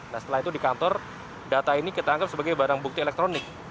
nah setelah itu di kantor data ini kita anggap sebagai barang bukti elektronik